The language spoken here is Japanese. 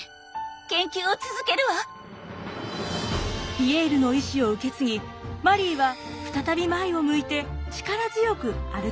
ピエールの意志を受け継ぎマリーは再び前を向いて力強く歩き始めます。